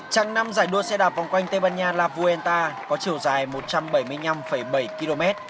trạng năm giải đua xe đạp vòng quanh tây ban nha la vuenta có chiều dài một trăm bảy mươi năm bảy km